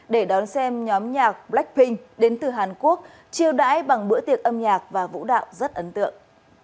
để đón xem nhóm nhạc blackpink đến từ hàn quốc chiêu đãi bằng bữa tiệc âm nhạc và vũ đạo rất ấn tượng